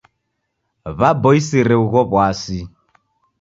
W'aboisire ugho w'asi.